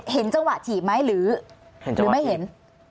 เห็นจังหวะถีบไหมหรือไม่เห็น